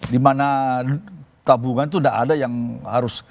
dimana tabungan itu tidak ada yang harus